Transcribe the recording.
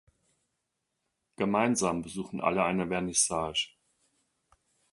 Gemeinsam besuchen alle eine Vernissage.